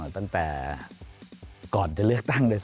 ตั้งแต่ก่อนจะเลือกตั้งเลย